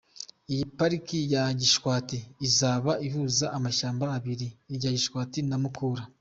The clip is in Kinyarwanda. Iyi Pariki ya Gishwati izaba ihuza amashyamba abiri, irya Gishwati na Mukura.